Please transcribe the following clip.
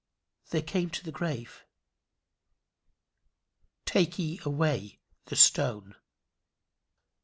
They come to the grave. "Take ye away the stone."